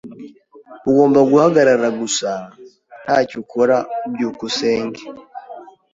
Ugomba guhagarara gusa ntacyo ukora. byukusenge